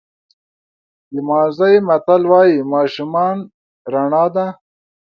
د مازی متل وایي ماشومان رڼا ده.